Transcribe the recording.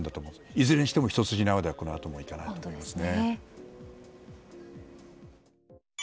いずれにしても一筋縄ではこのあともいかないと思います。